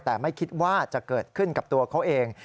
แต่ไม่คิดว่าจะเกิดขึ้นกับตัวเขาเอง